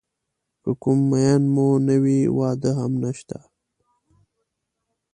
که کوم مېن مو نه وي واده هم نشته.